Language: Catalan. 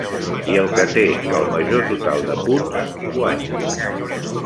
I el que té el major total de punts guanya.